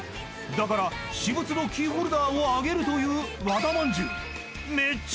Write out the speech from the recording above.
［だから私物のキーホルダーをあげるという和田まんじゅう］